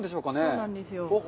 そうなんですよ。